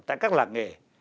tại các làng nghề